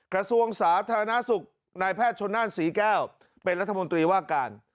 กระทรวงสาธารณสุขนายแพทย์ชนนั่นศรีแก้วเป็นรัฐมนตรีว่าการ